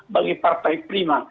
bagi partai prima